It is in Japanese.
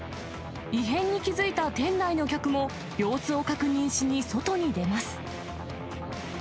異変に気付いた店内の客も、様子を確認しに外に出ます。